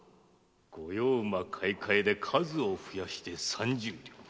〔御用馬買い換えで数を増やして三十両〕